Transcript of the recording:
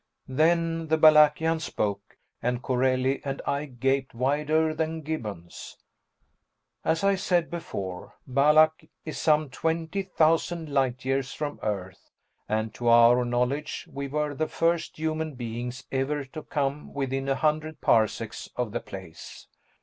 Then the Balakian spoke, and Corelli and I gaped wider than Gibbons. As I said before, Balak is some 20,000 light years from Earth, and to our knowledge we were the first human beings ever to come within a hundred parsecs of the place.